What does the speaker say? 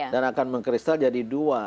dan akan menkristal jadi dua